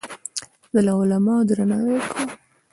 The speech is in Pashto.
زه د علماوو درناوی کوم.